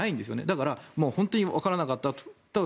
だから本当にわからなかったと。